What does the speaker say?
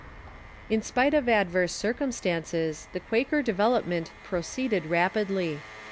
In spite of adverse circumstances, the Quaker development proceeded rapidly.